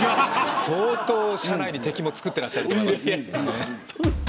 相当社内に敵も作ってらっしゃると思います。